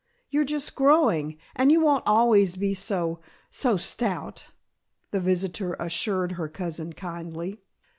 You're just growing, and you won't always be so so stout," the visitor assured her cousin, kindly.